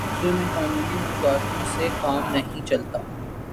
ہمارے جیسے معاشرے میں قانونی موشگافیوں سے کام نہیں چلتا۔